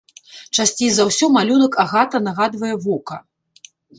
Часцей за ўсё малюнак агата нагадвае вока.